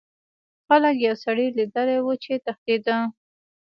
خلکو یو سړی لیدلی و چې تښتیده.